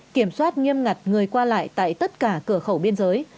kiểm soát nghiêm ngặt người qua lại tại tất cả cửa khẩu biên giới